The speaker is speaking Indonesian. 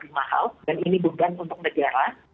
lebih mahal dan ini beban untuk negara